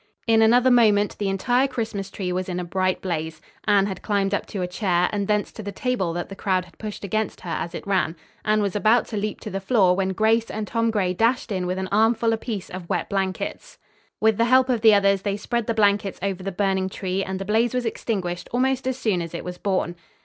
In another moment, the entire Christmas tree was in a bright blaze. Anne had climbed up to a chair, and thence to the table that the crowd had pushed against her as it ran. Anne was about to leap to the floor when Grace and Tom Gray dashed in with an armful apiece of wet blankets. With the help of the others they spread the blankets over the burning tree and the blaze was extinguished almost as soon as it was born.